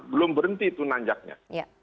belum berhenti itu nanjaknya